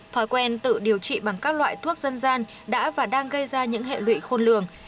thói quen tự điều trị bằng các loại thuốc dân gian đã và đang gây ra những hệ lụy khôn lường